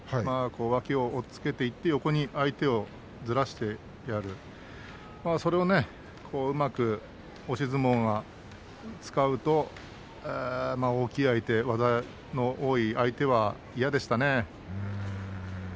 脇をつけていって横に相手をずらしていくそれをねうまく押し相撲が使うと大きい相手技の多い相手は嫌でしたね。